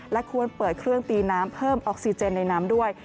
และควรเปิดเครื่องตีน้ำเพิ่มออกซิเจนในน้ำด้วย